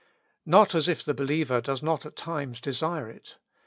Not as if the believer does not at times desire it.